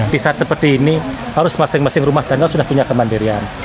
di saat seperti ini harus masing masing rumah danau sudah punya kemandirian